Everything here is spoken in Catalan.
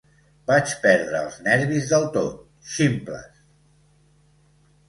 Vaig perdre els nervis del tot. Ximples!